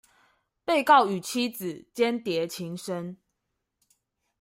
被告與妻子鰜鰈情深